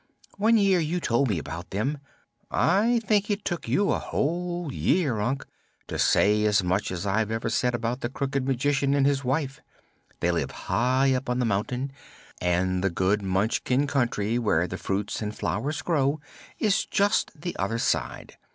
One year you told me about them; I think it took you a whole year, Unc, to say as much as I've just said about the Crooked Magician and his wife. They live high up on the mountain, and the good Munchkin Country, where the fruits and flowers grow, is just the other side.